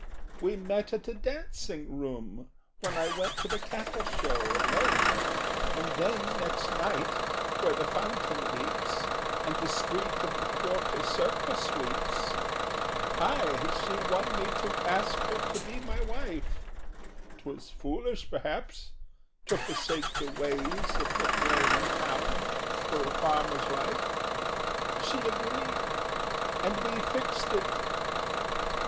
We met at a dancing room When I went to the Cattle Show alone, And then, next night, where the Fountain leaps, And the Street of the Quarter Circle sweeps. "Ay, she won me to ask her to be my wife— 'Twas foolish perhaps!—to forsake the ways Of the flaring town for a farmer's life. She agreed. And we fixed it.